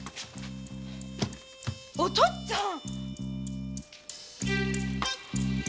お父っつぁん。